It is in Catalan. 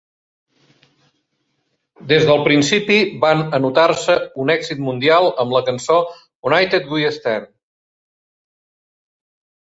Des del principi, van anotar-se un èxit mundial amb la cançó "United We Stand".